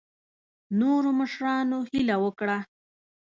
نورو مشرانو هیله وکړه.